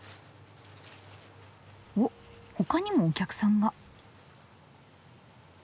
おっほかにもお客さんが。